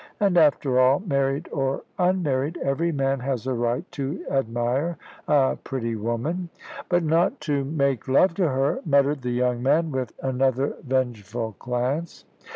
And after all, married or unmarried, every man has a right to admire a pretty woman." "But not to make love to her," muttered the young man, with another vengeful glance.